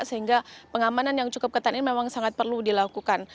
sehingga pengamanan yang cukup ketat ini memang sangat perlu dilakukan